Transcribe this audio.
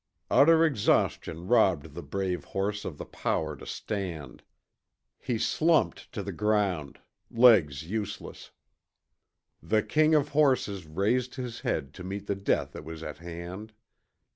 Utter exhaustion robbed the brave horse of the power to stand. He slumped to the ground, legs useless. The king of horses raised his head to meet the death that was at hand.